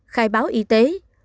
ba khai báo y tế